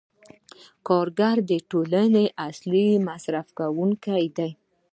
کارګران د ټولنې اصلي مصرف کوونکي دي